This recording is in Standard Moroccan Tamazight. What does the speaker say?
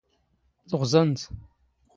ⵜⵖⵥⴰⵏⴷ